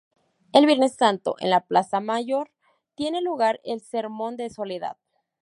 El Viernes Santo, en la Plaza Mayor, tiene lugar el Sermón de Soledad.